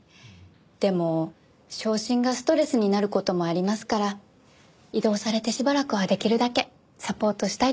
でも昇進がストレスになる事もありますから異動されてしばらくはできるだけサポートしたいと思っています。